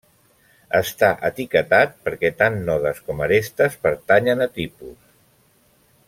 Està etiquetat perquè tant nodes com arestes pertanyen a tipus.